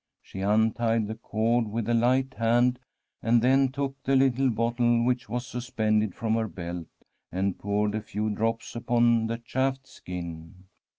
She untied the cord with a light hand, and then took the little bottle which was suspended from her belt and poured a few drops upon the chafed skin.